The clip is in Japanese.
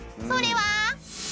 ［それは］